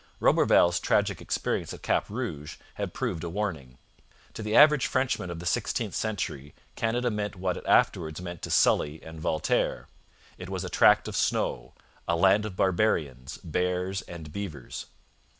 Roberval's tragic experience at Cap Rouge had proved a warning. To the average Frenchman of the sixteenth century Canada meant what it afterwards meant to Sully and Voltaire. It was a tract of snow; a land of barbarians, bears, and beavers.